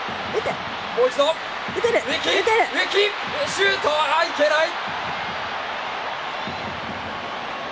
シュート、いけない！